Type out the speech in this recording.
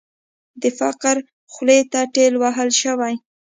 د فقر خولې ته ټېل وهل شوې.